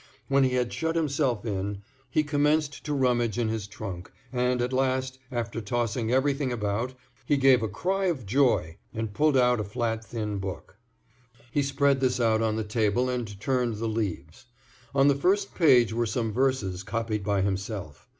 When he had shut himself in, he commenced to rummage in his trunk, and at last, after tossing everything about, he gave a cry of joy and pulled out a flat, thin book. He spread this out on the table and turned the leaves. On the first page were some verses, copied by himself.